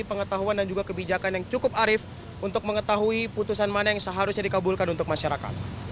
pengetahuan dan juga kebijakan yang cukup arif untuk mengetahui putusan mana yang seharusnya dikabulkan untuk masyarakat